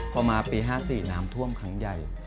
พอมาปี๕๔น้ำท่วมครั้งใหญ่